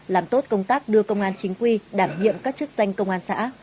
làm tốt công tác đưa công an chính quy đảm nhiệm các chức danh công an xã